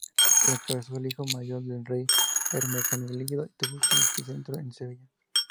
La encabezó el hijo mayor del rey, Hermenegildo, y tuvo su epicentro en Sevilla.